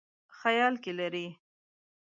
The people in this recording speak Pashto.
خیال کې لري.